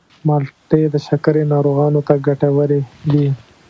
مالټې د شکرې ناروغانو ته ګټورې دي.